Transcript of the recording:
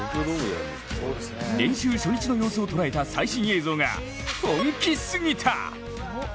練習初日の様子を捉えた最新映像が本気すぎた。